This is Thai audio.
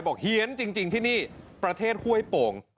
เฮียนจริงที่นี่ประเทศห้วยโป่ง